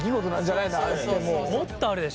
もっとあるでしょ。